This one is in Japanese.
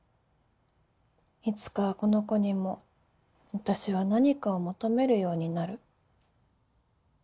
いつかこの子にも私は何かを求めるようになる。